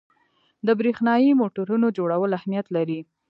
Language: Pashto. د برېښنايي موټورونو جوړول اهمیت لري.